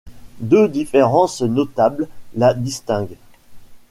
Deux différences notables la distingue.